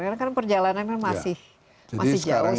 karena perjalanannya masih jauh